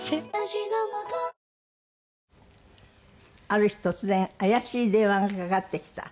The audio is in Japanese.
ある日突然怪しい電話がかかってきた？